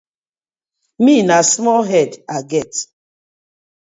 Mi na small head I get.